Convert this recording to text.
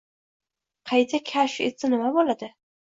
qayta kashf etsa nima bo’ladi?